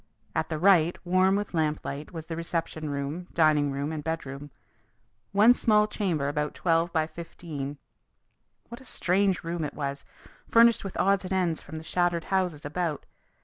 At the right, warm with lamplight, was the reception room, dining room and bedroom one small chamber about twelve by fifteen! What a strange room it was, furnished with odds and ends from the shattered houses about!